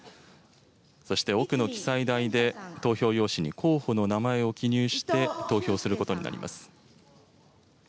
そして、奥の記載台で、投票用紙に候補の名前を記入して、投票することになります。